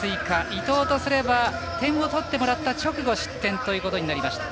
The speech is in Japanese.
伊藤とすれば点を取ってもらった直後の失点ということになりました。